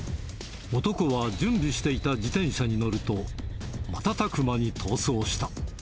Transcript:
男は準備していた自転車に乗ると、瞬く間に逃走した。